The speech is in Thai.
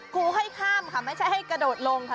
ครูให้ข้ามค่ะไม่ใช่ให้กระโดดลงค่ะ